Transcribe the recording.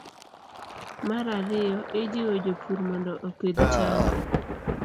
Mar ariyo, ijiwo jopur mondo opidh cham